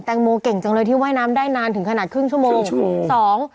งโมเก่งจังเลยที่ว่ายน้ำได้นานถึงขนาดครึ่งชั่วโมงสอง